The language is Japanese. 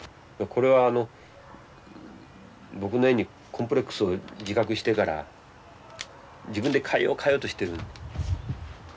これは僕の絵にコンプレックスを自覚してから自分で変えよう変えようとしてる。